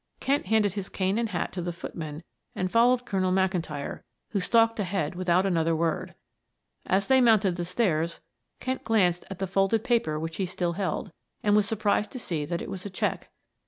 Kent handed his cane and hat to the footman and followed Colonel McIntyre, who stalked ahead without another word. As they mounted the stairs Kent glanced at the folded paper which he still held, and was surprised to see that it was a check.